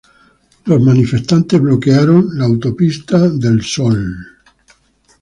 Los manifestantes bloquearon la Autopista del Sol.